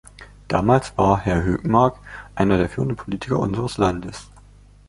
Damals war Herr Hökmark einer der führenden Politiker unseres Landes.